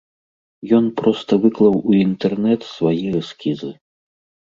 Ён проста выклаў у інтэрнэт свае эскізы.